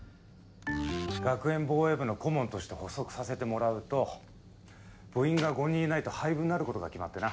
学園防衛部の顧問として補足させてもらうと部員が５人いないと廃部になる事が決まってな。